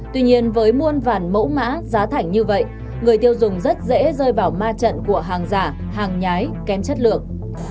tuy nhiên với muôn vàn mẫu mã giá thảnh như vậy người tiêu dùng rất dễ rơi vào ma trận của hàng giả hàng nhái kém chất lượng